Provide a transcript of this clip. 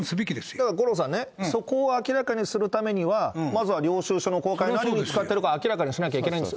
だから五郎さんね、そこを明らかにするためにはまずは領収書の公開、何に使っているかを明らかにしなきゃいけないんです。